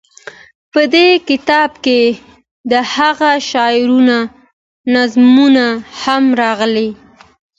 په دې کتاب کې دهغه شاعرانو نظمونه هم راغلي.